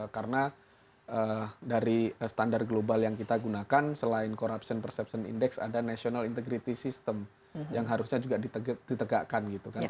karena dari standar global yang kita gunakan selain corruption perception index ada national integrity system yang harusnya juga ditegakkan